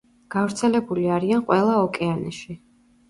გავრცელებული არიან ყველა ოკეანეში.